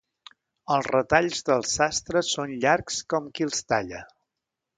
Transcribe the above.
Els retalls del sastre són llargs com qui els talla.